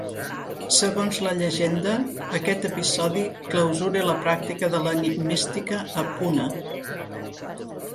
Segons la llegenda, aquest episodi clausura la pràctica de l'enigmística a Puna.